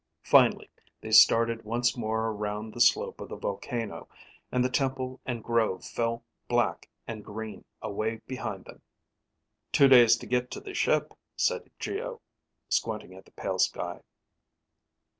Finally, they started once more around the slope of the volcano, and the temple and grove fell black and green away behind them. "Two days to get to the ship," said Geo, squinting at the pale sky.